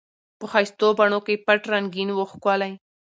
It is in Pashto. په ښایستو بڼو کي پټ رنګین وو ښکلی